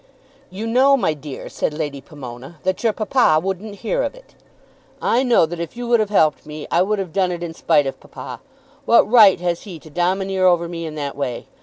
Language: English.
"You know, my dear," said Lady Pomona, "that your papa wouldn't hear of it." "I know that if you would have helped me I would have done it in spite of papa. What right has he to domineer over me in that way?